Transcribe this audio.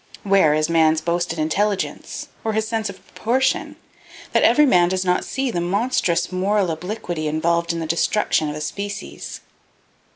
Where is man's boasted intelligence, or his sense of proportion, that every man does not see the monstrous moral obliquity involved in the destruction of a species!